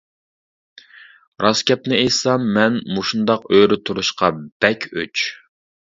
راست گەپنى ئېيتسام، مەن مۇشۇنداق ئۆرە تۇرۇشقا بەك ئۆچ.